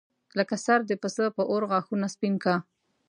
لکه سر د پسه په اور غاښونه سپین کا.